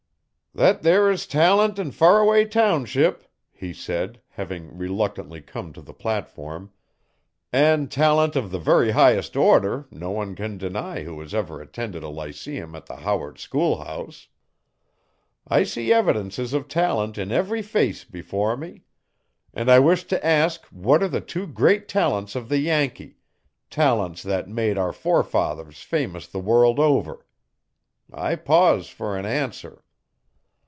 'Thet there is talent in Faraway township,' he said, having reluctantly come to the platform, 'and talent of the very highest order, no one can deny who has ever attended a lyceum at the Howard schoolhouse. I see evidences of talent in every face before me. And I wish to ask what are the two great talents of the Yankee talents that made our forefathers famous the world over? I pause for an answer.'